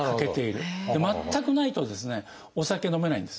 全くないとですねお酒飲めないんですね。